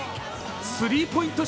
スリーポイント